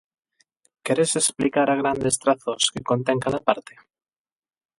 Queres explicar a grandes trazos que contén cada parte?